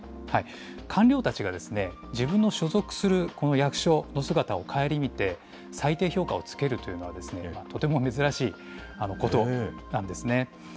官僚たちが自分の所属するこの役所の姿を省みて、最低評価をつけるというのは、とても珍しいことなんですね。